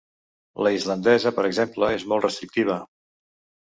La islandesa, per exemple, és molt restrictiva.